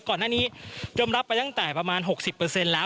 ก่อนหน้านี้จมรับไปตั้งแต่ประมาณ๖๐แล้ว